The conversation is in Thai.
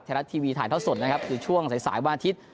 แทนรัฐทีวีถ่ายเท่าสดนะครับคือช่วงใส่สายบ้านอาทิตย์